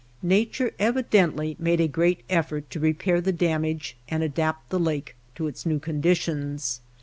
Nature evi dently made a great effort to repair the damage and adapt the lake to its new conditions.